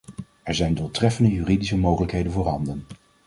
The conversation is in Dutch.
Er zijn doeltreffende juridische mogelijkheden voorhanden.